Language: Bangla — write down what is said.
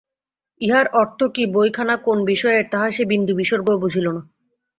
ইহার অর্থ কি, বইখানা কোন বিষয়ের তাহা সে বিন্দুবিসর্গও বুঝিল না।